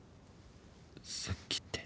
さっきって？